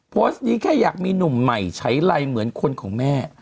โพสต์นี้แค่อยากมีหนุ่มใหม่ใช้ไรเหมือนคนของแม่